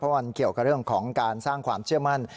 มันเกี่ยวกับเรื่องของการสร้างความเชื่อมั่น